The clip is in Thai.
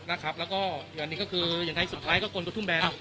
นะครับแล้วก็อันนี้ก็คืออย่างไทยสุดท้ายก็คนก็ทุ่มแบน